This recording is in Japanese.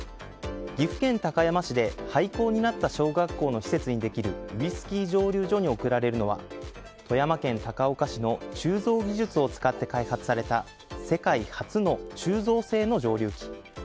岐阜県高山市で廃校になった小学校の施設にできるウイスキー蒸留所に送られるのは富山県高岡市の鋳造技術を使って開発された世界初の鋳造性の蒸留器。